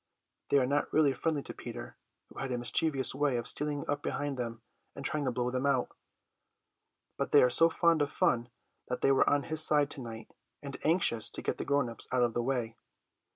They are not really friendly to Peter, who had a mischievous way of stealing up behind them and trying to blow them out; but they are so fond of fun that they were on his side to night, and anxious to get the grown ups out of the way.